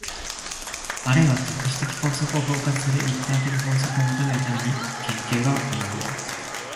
あるいは特殊的法則を包括する一般的法則を求めるために、研究が行われる。